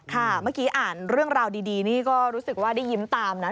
เมื่อกี้อ่านเรื่องราวดีนี่ก็รู้สึกว่าได้ยิ้มตามนะ